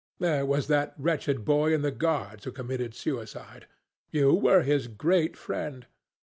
There was that wretched boy in the Guards who committed suicide. You were his great friend.